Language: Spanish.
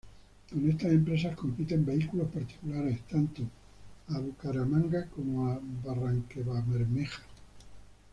Con estas empresas compiten vehículos particulares tanto a Bucaramanga como a Barrancabermeja.